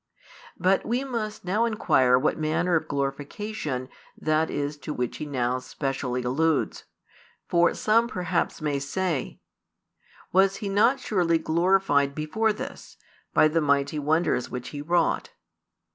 But we must now inquire what manner of glorification that is to which He now specially alludes; for some perhaps may say: Was He not surely glorified before this, by the mighty wonders which He wrought?